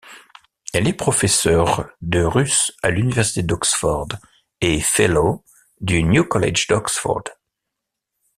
Elle est professeure de russe à l'Université d'Oxford et Fellow du New College d'Oxford.